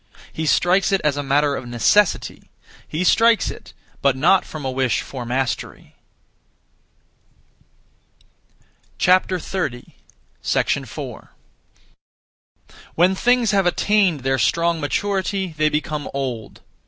He strikes it as a matter of necessity; he strikes it, but not from a wish for mastery. 4. When things have attained their strong maturity they become old.